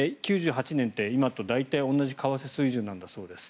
９８年って大体今と同じ為替水準なんだそうです。